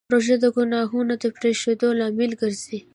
روژه د ګناهونو د پرېښودو لامل ګرځي.